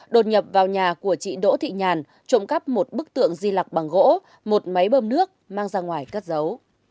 đột nhập vào nhà của chị đỗ thị nhàn trộm cắp một bức tượng di lạc bằng gỗ một máy bơm nước mang ra ngoài cất giấu